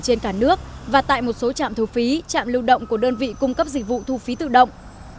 trạm đăng kiểm trên cả nước và tại một số trạm thu phí trạm lưu động của đơn vị cung cấp dịch vụ thu phí tự động